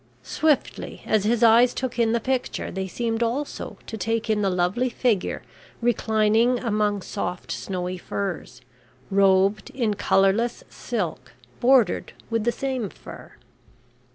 Swiftly as his eyes took in the picture, they seemed also to take in the lovely figure reclining among soft snowy furs, robed in colourless silk bordered with the same fur.